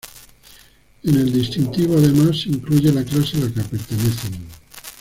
En el distintivo, además, se incluye la clase a la que pertenecen.